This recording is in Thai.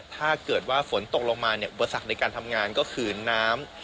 ถ้าเกิดว่าฝนตกลงมาเนี่ยอุปสรรคในการทำงานก็คือน้ำ